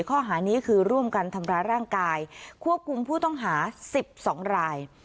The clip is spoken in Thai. ข้อหานี้คือร่วมกันทำร้ายร่างกายควบคุมผู้ต้องหา๑๒ราย